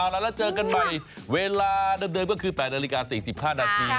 แล้วเราเจอกันใหม่เวลาเดิมก็คือ๘นาฬิกา๔๕นาที